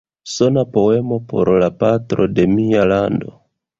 Sona poemo por la patro de mia lando".